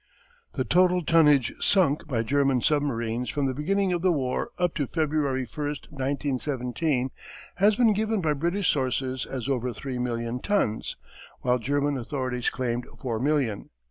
The total tonnage sunk by German submarines from the beginning of the war up to February 1, 1917, has been given by British sources as over three million tons, while German authorities claimed four million.